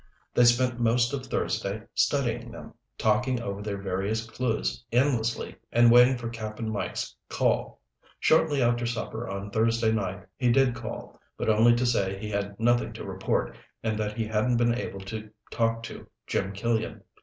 They spent most of Thursday studying them, talking over their various clues endlessly, and waiting for Cap'n Mike's call. Shortly after supper on Thursday night he did call, but only to say he had nothing to report and that he hadn't been able to talk to Jim Killian.